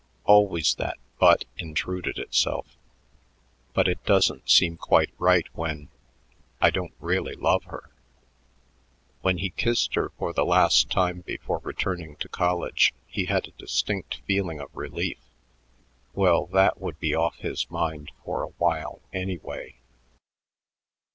Always that "but" intruded itself. "But it doesn't seem quite right when I don't really love her." When he kissed her for the last time before returning to college, he had a distinct feeling of relief: well, that would be off his mind for a while, anyway.